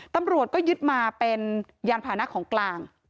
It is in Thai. ตำรวจก็ยึดมาเป็นยานพานะของกลาง